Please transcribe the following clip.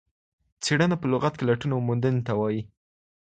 څېړنه په لغت کې لټون او موندنې ته وايي.